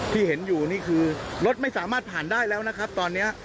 ที่เห็นอยู่นี่คือรถไม่สามารถผ่านได้แล้วนะครับตอนนี้